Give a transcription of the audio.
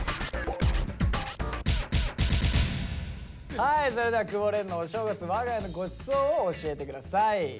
はいそれでは久保廉のお正月我が家のごちそうを教えて下さい。